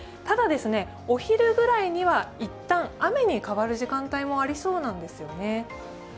ただ、お昼ぐらいには一旦雨に変わる時間帯もありそうです。